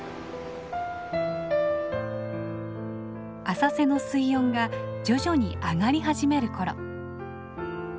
浅瀬の水温が徐々に上がり始める頃。